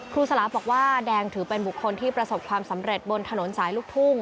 สลาบอกว่าแดงถือเป็นบุคคลที่ประสบความสำเร็จบนถนนสายลูกทุ่ง